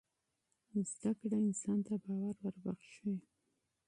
تعلیم انسان ته باور وربخښي.